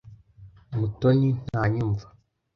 Mutoni ntanyumva.